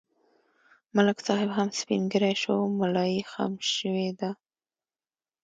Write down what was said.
ملک صاحب هم سپین ږیری شو، ملایې خم شوې ده.